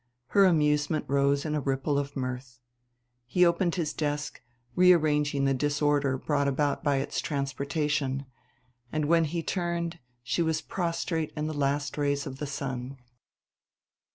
Her amusement rose in a ripple of mirth. He opened his desk, rearranging the disorder brought about by its transportation; and, when he turned, she was prostrate in the last rays of the sun.